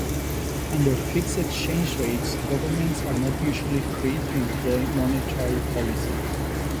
Under fixed exchange rates, governments are not usually free to employ monetary policy.